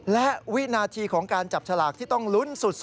และวินาทีของการจับฉลากที่ต้องลุ้นสุด